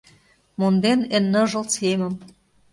Монден эн ныжыл семым.